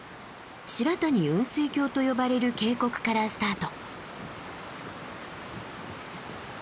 白谷雲水峡と呼ばれる渓谷からスタート。